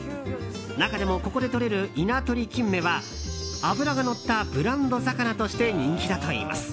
中でも、ここでとれる稲取キンメは脂がのったブランド魚として人気だといいます。